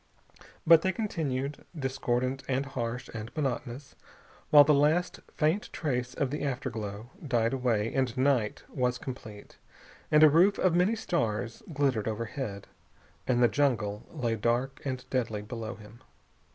But they continued, discordant and harsh and monotonous, while the last faint trace of the afterglow died away and night was complete, and a roof of many stars glittered overhead, and the jungle lay dark and deadly below him.